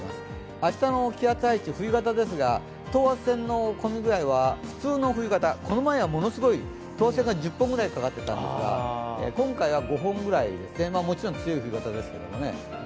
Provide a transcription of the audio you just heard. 明日の気圧配置、冬型ですが等圧線の混み具合は普通の冬型、この前は等圧線が１０本ぐらいかかっていたんですが、今回は５本ぐらい、もちろん強い冬型ですけれども。